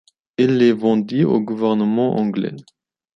Il les vendit au gouvernement anglais.